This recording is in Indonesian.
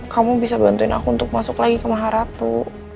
kamu bisa bantuin aku untuk masuk lagi ke maharatu